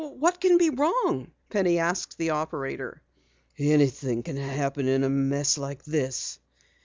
"What can be wrong?" Penny asked the operator. "Anything can happen in a mess like this."